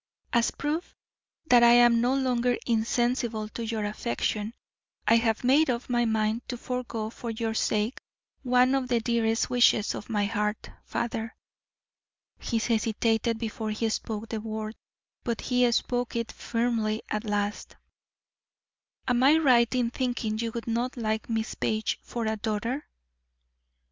"As proof that I am no longer insensible to your affection, I have made up my mind to forego for your sake one of the dearest wishes of my heart. Father" he hesitated before he spoke the word, but he spoke it firmly at last, "am I right in thinking you would not like Miss Page for a daughter?"